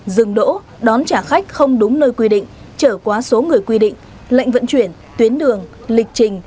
dừng đỗ đón trả khách không đúng nơi quy định trở quá số người quy định lệnh vận chuyển tuyến đường lịch trình